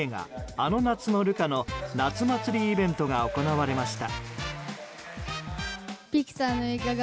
「あの夏のルカ」の夏祭りイベントが行われました。